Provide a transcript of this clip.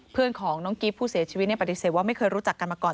เพื่อนของน้องกิฟต์ผู้เสียชีวิตปฏิเสธว่าไม่เคยรู้จักกันมาก่อน